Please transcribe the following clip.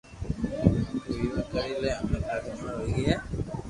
تو ويوا ڪري لي ھمي ٿاري عمر ھوئئي گئي